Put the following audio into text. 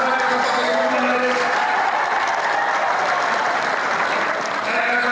ada pria terlima